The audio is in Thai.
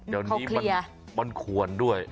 เดี๋ยวนี้มันควรด้วย